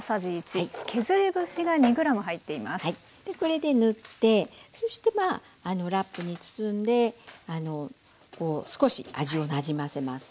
これで塗ってそしてラップに包んで少し味をなじませます。